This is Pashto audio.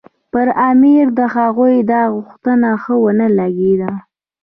پر امیر د هغوی دا غوښتنه ښه ونه لګېده.